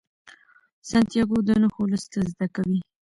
سانتیاګو د نښو لوستل زده کوي.